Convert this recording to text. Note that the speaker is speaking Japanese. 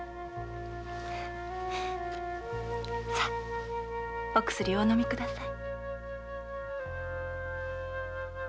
さあお薬をお飲みください。